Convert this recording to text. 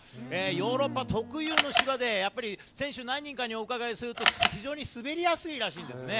ヨーロッパ特有の芝で、やっぱり選手何人かにお伺いすると、非常に滑りやすいらしいんですね。